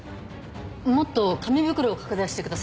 もっと紙袋を拡大してください。